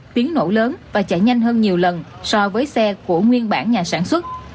tiếng nổ lớn và chạy nhanh hơn nhiều lần so với xe của nguyên bản nhà sản xuất